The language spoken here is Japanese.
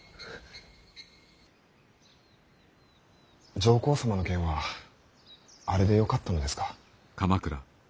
上皇様の件はあれでよかったのですか。